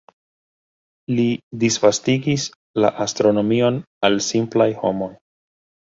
Li disvastigis la astronomion al simplaj homoj.